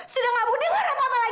sudah gak mau dengar apa apa lagi